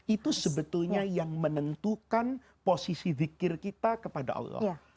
itu sebetulnya yang menentukan posisi zikir kita kepada allah